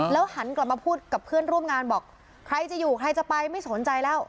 หันกลับมาพูดกับเพื่อนร่วมงานบอกใครจะอยู่ใครจะไปไม่สนใจแล้ว